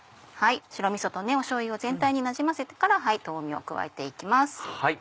白みそとしょうゆを全体になじませてから豆苗を加えて行きます。